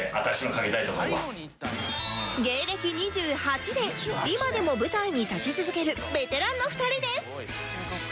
芸歴２８年今でも舞台に立ち続けるベテランの２人です